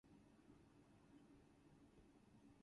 Her portfolios are National Education and Culture.